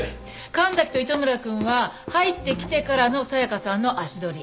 神崎と糸村くんは入ってきてからの紗香さんの足取り。